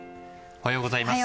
おはようございます。